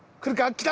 来た！